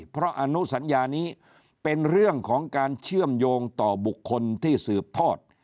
เพราะอนุสัญญานี้เป็นเรื่องของการเชื่อมโยงต่อบุคคลที่สืบทอด